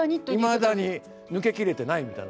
いまだに抜け切れてないみたいな。